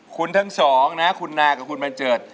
คุณทั้งสองนะคุณนากับคุณบัญเจิด